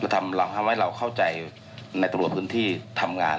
ทำให้เราเข้าใจในตำรวจพื้นที่ทำงาน